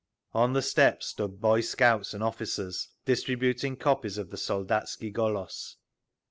On the steps stood boy scouts and officers, distributing copies of the _Soldatski Golos.